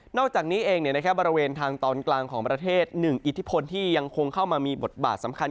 อกจากนี้เองบริเวณทางตอนกลางของประเทศหนึ่งอิทธิพลที่ยังคงเข้ามามีบทบาทสำคัญ